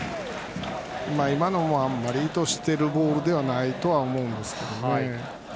今のも意図してるボールではないと思うんですけどね。